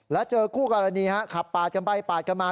แล้วเจอคู่กรณีขับปาดกันไปปาดกันมา